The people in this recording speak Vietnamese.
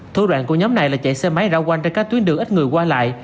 thu đoạn của nhóm này là chạy xe máy rao quanh ra các tuyến đường ít người qua lại